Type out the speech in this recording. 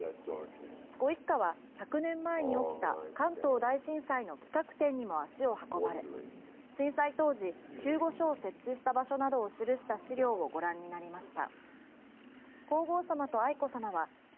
ご一家は１００年前に起きた関東大震災の企画展にも足を運ばれ震災当時救護所を設置した場所などを記した資料をご覧になりました。